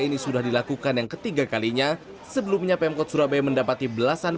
ini sudah dilakukan yang ketiga kalinya sebelumnya pemkot surabaya mendapati belasan